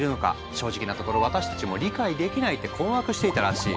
正直なところ私たちも理解できない」って困惑していたらしい。